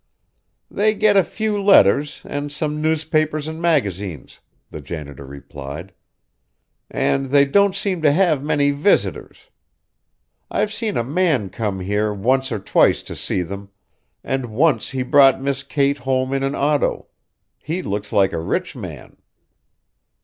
"They get a few letters, and some newspapers and magazines," the janitor replied. "And they don't seem to have many visitors. I've seen a man come here once or twice to see them, and once he brought Miss Kate home in an auto. He looks like a rich man."